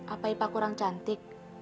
apa ipa kurang cantik